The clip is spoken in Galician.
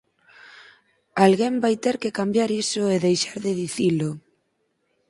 Alguén vai ter que cambiar iso e deixar de dicilo.